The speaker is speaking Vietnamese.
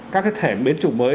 các cái thể biến chủ mới